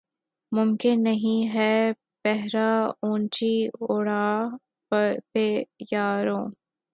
ممکن نہیں ہے پہرہ اونچی اڑاں پہ یارو